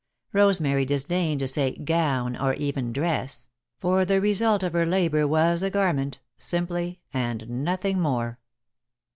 Rosemary disdained to say "gown" or even "dress," for the result of her labour was a garment, simply, and nothing more.